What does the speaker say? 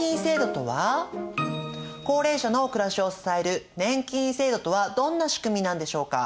高齢者の暮らしを支える年金制度とはどんな仕組みなんでしょうか。